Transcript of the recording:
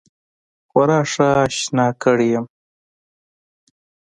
خورا ښه آشنا کړی یم.